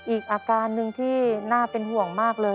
อีกอาการหนึ่งที่น่าเป็นห่วงมากเลย